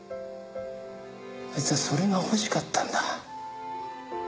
あいつはそれが欲しかったんだ。